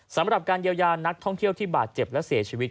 สำหรับการเยียวยานักท่องเที่ยวที่บาดเจ็บและเสียชีวิต